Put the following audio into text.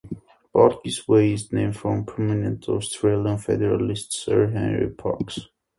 Parkes Way is named for prominent Australian federalist, Sir Henry Parkes.